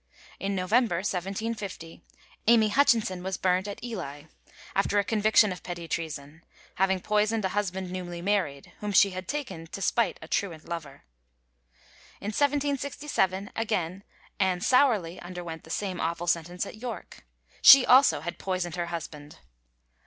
In November, 1750, Amy Hutchinson was burnt at Ely, after a conviction of petty treason, having poisoned a husband newly married, whom she had taken to spite a truant lover. In 1767, again, Ann Sowerly underwent the same awful sentence at York. She also had poisoned her husband.